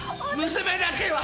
娘だけは。